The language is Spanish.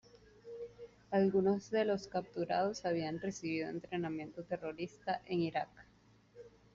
Algunos de los capturados habían recibido entrenamiento terrorista en Iraq.